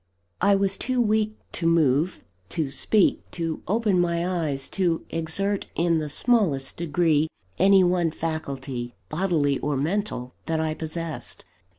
I was too weak to move, to speak, to open my eyes, to exert in the smallest degree any one faculty, bodily or mental, that I possessed.